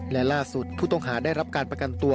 และล่าสุดผู้ต้องหาได้รับการประกันตัว